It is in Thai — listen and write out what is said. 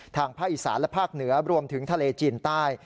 ทางภาคอีสานและภาคเหนือรวมถึงทะเลจีนใต้